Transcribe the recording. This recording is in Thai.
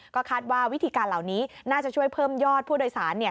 ก็คาดว่าวิธีการเหล่านี้น่าจะช่วยเพิ่มยอดผู้โดยสาร